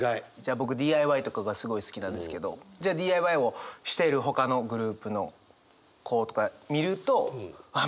僕ＤＩＹとかがすごい好きなんですけどじゃあＤＩＹをしているほかのグループの子とか見るとあっ